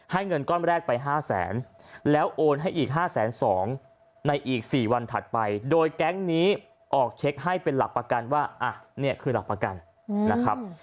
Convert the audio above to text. เงินก้อนแรกไป๕แสนแล้วโอนให้อีก๕๒๐๐ในอีก๔วันถัดไปโดยแก๊งนี้ออกเช็คให้เป็นหลักประกันว่านี่คือหลักประกันนะครับ